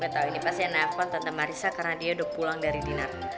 gue tau ini pasti yang telfon tante marissa karena dia udah pulang dari dinar